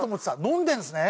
飲んでるんですね？